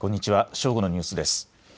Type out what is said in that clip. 正午のニュースです。